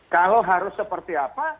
kalau harus seperti apa